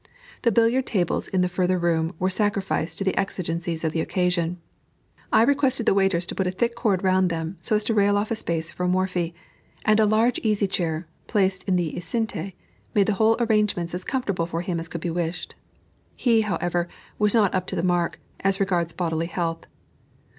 The billiard tables in the further room were sacrificed to the exigencies of the occasion; I requested the waiters to put a thick cord round them, so as to rail off a space for Morphy, and a large easy chair, placed in the enceinte, made the whole arrangements as comfortable for him as could be wished. He, however, was not up to the mark, as regards bodily health.